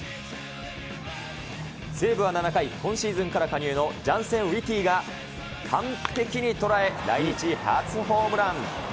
西武は７回、今シーズンから加入のジャンセン・ウィティが完璧に捉え、来日初ホームラン。